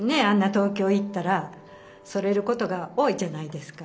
東京行ったらそれることが多いじゃないですか。